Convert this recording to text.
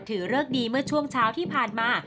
เริกดีเมื่อช่วงเช้าที่ผ่านมา